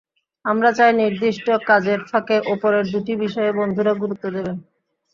আমরা চাই নির্দিষ্ট কাজের ফাঁকে ওপরের দুটি বিষয়ে বন্ধুরা গুরুত্ব দেবেন।